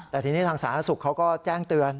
แต่ทีนี้ทางสาธารณสุขเขาก็แจ้งเตือน